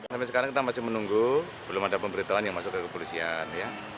sampai sekarang kita masih menunggu belum ada pemberitahuan yang masuk ke kepolisian